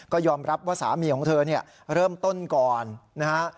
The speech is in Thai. ก็ยอมรับว่าสามีของเธอเนี่ยเริ่มต้นก่อนนะฮะ